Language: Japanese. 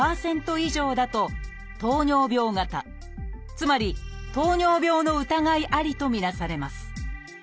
つまり糖尿病の疑いありと見なされます。